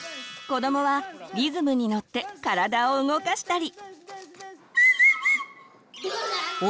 子どもはリズムにのって体を動かしたり。